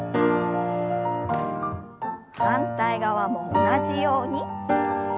反対側も同じように。